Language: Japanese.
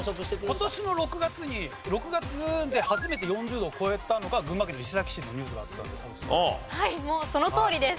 今年の６月に６月で初めて４０度を超えたのが群馬県の伊勢崎市ってニュースがあったんで多分そうかな。